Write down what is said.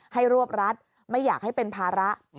รวบรัดไม่อยากให้เป็นภาระ